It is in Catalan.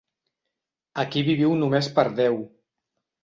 Aquí viviu només per Déu.